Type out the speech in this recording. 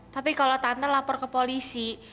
tapi kalau tante lapor ke polisi